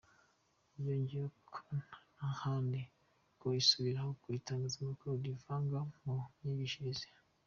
Yongeyeho ko nta n’ahandi ku isi birabaho ko Itangazamakuru ryivanga mu myigishirize.